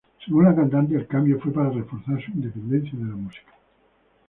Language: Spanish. Según la cantante, el cambio fue para reforzar su independencia de la música.